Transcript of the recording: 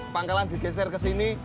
pangkalan digeser kesini